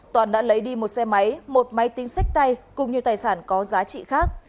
toàn đã lấy đi một xe máy một máy tính sách tay cùng nhiều tài sản có giá trị khác